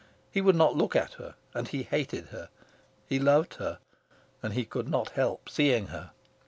He would not look at her, and he hated her. He loved her, and he could not help seeing her.